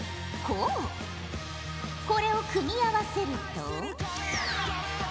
これを組み合わせると。